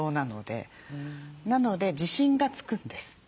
なので自信がつくんです。